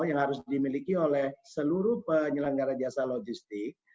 yang harus dimiliki oleh seluruh penyelenggara jasa logistik